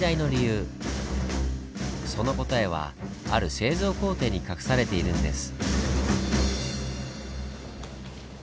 その答えはある製造工程に隠されているんです。